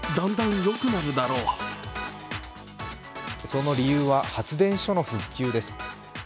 その理由は発電所の復旧です。